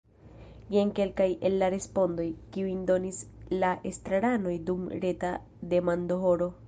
Jen kelkaj el la respondoj, kiujn donis la estraranoj dum reta demandohoro.